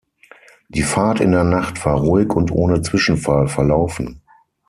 Die Fahrt in der Nacht war ruhig und ohne Zwischenfall verlaufen.